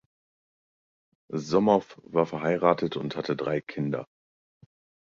Somow war verheiratet und hatte drei Kinder.